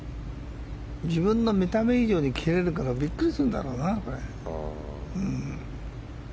自分の見た目以上に切れるからビックリするんだろうな。